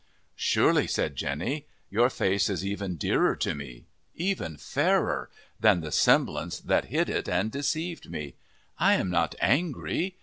"Surely," said Jenny, "your face is even dearer to me, even fairer, than the semblance that hid it and deceived me. I am not angry.